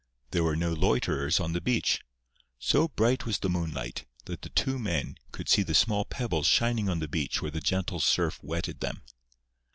There were no loiterers on the beach. So bright was the moonlight that the two men could see the small pebbles shining on the beach where the gentle surf wetted them.